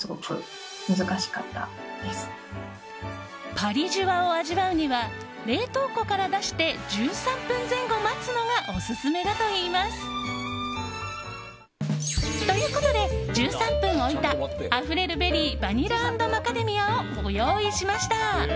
パリじゅわを味わうには冷凍庫から出して１３分前後待つのがオススメだといいます。ということで、１３分置いたあふれるベリーバニラ＆マカデミアをご用意しました。